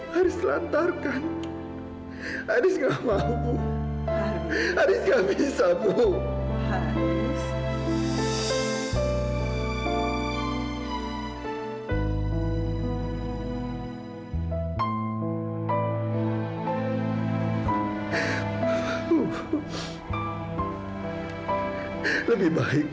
haris gak akan pernah ketemu dia sampai kapanpun bu